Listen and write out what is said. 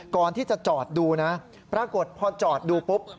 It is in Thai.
ก่อนที่จะจอดดูนะปรากฏพอจอดดูปุ๊บ